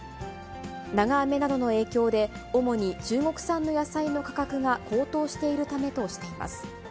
長雨などの影響で、主に中国産の野菜の価格が高騰しているためとしています。